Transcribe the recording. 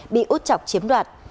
bị út chọc chiếm đoạt